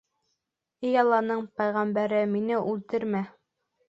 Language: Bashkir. — Эй Алланың пәйғәмбәре, мине үлтермә!